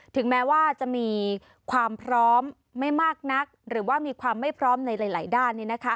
ถึงแม้ว่าจะมีความพร้อมไม่มากนักหรือว่ามีความไม่พร้อมในหลายด้าน